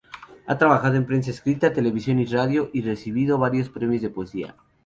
Ha trabajado en prensa escrita, televisión y radio y recibido varios premios de poesía.